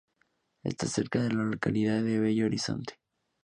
Está cerca de la localidad de Bello Horizonte.